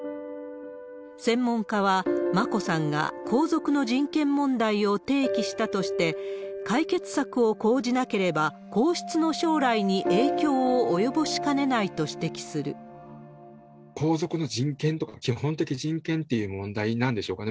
専門家は、眞子さんが皇族の人権問題を提起したとして、解決策を講じなければ皇室の将来に影響を及ぼしかねないと指摘す皇族の人権とか、基本的人権っていう問題なんでしょうかね。